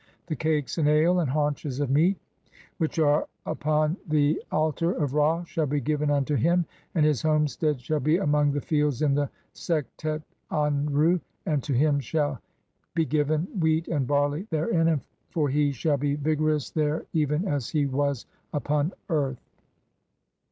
THE CAKES, AND ALE, AND HAUNCHES OF MEAT (24) WHICH ARE UPON THE ALTAR OF RA SHALL BE GIVEN UNTO HIM, AND HIS HOMESTEAD SHALL BE AMONG THE FIELDS IN THE SEKTET AANRU, AND TO HIM SHALL HE GIVEN WHEAT AND BARLEY THEREIN, FOR HE SHALL BE VIGOROUS THERE EVEN AS HE WAS UPON EARTH.